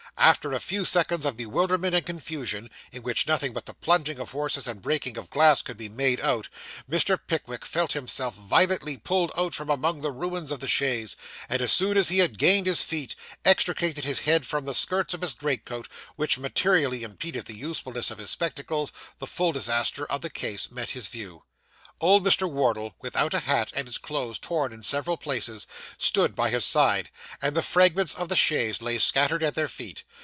After a very few seconds of bewilderment and confusion, in which nothing but the plunging of horses, and breaking of glass could be made out, Mr. Pickwick felt himself violently pulled out from among the ruins of the chaise; and as soon as he had gained his feet, extricated his head from the skirts of his greatcoat, which materially impeded the usefulness of his spectacles, the full disaster of the case met his view. Old Mr. Wardle without a hat, and his clothes torn in several places, stood by his side, and the fragments of the chaise lay scattered at their feet.